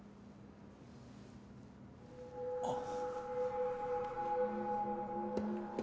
あっ。